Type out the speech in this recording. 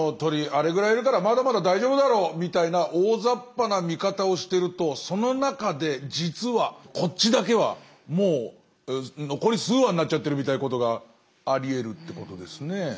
あれぐらいいるからまだまだ大丈夫だろうみたいな大ざっぱな見方をしてるとその中で実はこっちだけはもう残り数羽になっちゃってるみたいなことがありえるってことですね。